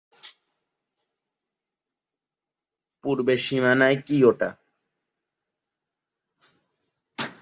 পূর্বের সীমানায় কী ওটা?